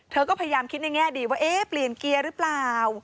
เธอก็พยายามคิดในแง่ดีว่าเอ๊ะเปลี่ยนเกียร์หรือเปล่า